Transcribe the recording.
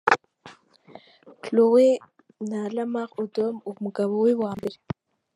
Khloe na Lamar Odom, umugabo we wa mbere.